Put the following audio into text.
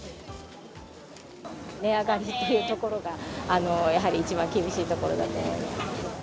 値上がりというところが、やはり一番厳しいところだと思います。